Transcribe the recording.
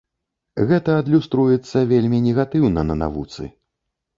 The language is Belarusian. Гэта адлюструецца вельмі негатыўна на навуцы.